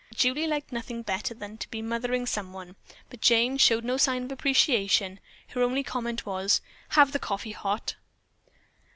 Julie liked nothing better than to be mothering someone, but Jane showed no sign of appreciation. Her only comment was, "Have the coffee hot."